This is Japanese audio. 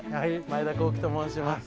前田航基と申します。